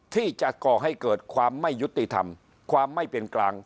ที่จะก่อให้เกิดความไม่ยุติธรรมความไม่เป็นกลาง